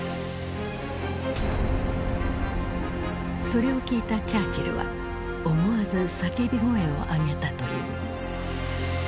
それを聞いたチャーチルは思わず叫び声を上げたという。